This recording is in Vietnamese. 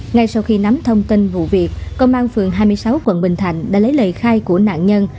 ngay sau khi nắm thông tin vụ việc công an phường hai mươi sáu quận bình thạnh đã lấy lời khai của nạn nhân